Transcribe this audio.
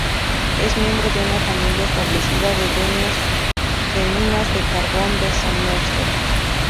Es miembro de una familia establecida de dueños de minas de carbón de Somerset.